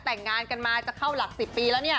แต่งงานกันมาจะเข้าหลัก๑๐ปีแล้วเนี่ย